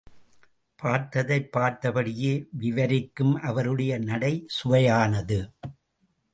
பார்த்ததை பார்த்தபடியே விவரிக்கும் அவருடைய நடை சுவையானது.